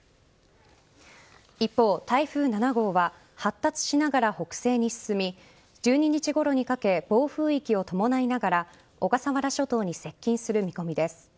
一方、台風７号は発達しながら北西に進み１２日ごろにかけ暴風域を伴いながら小笠原諸島に接近する見込みです。